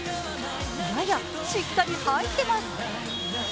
いやいや、しっかり入ってます。